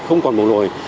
không còn mồ lồi